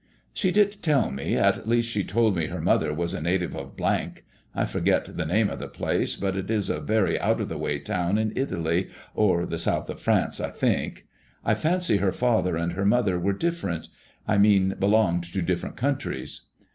She did tell me, at least she told me her mother was a native of ; I forget the name ol the place, but it is a very out 44 MADKMOISKLLB IXX. of the way town in Italy or the south of France, I think« I fancy her father and her mother were different — I mean belonged to different countries."